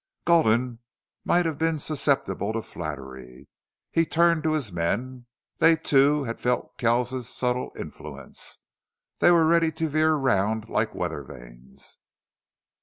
Gulden might have been susceptible to flattery. He turned to his men. They, too, had felt Kells's subtle influence. They were ready to veer round like weather vanes.